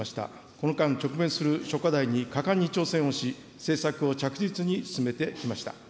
この間、直面する諸課題に果敢に挑戦をし、政策を着実に進めてきました。